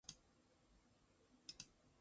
哎呀，我差点忘了。